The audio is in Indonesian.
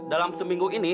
dalam seminggu ini